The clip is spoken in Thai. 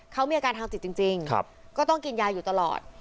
เขามีอาการทางจิตจริงก็ต้องกินยาอยู่ตลอด